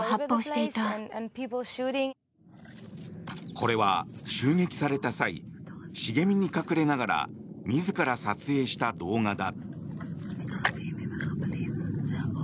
これは襲撃された際茂みに隠れながら自ら撮影した動画だ。